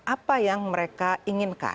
apa yang mereka inginkan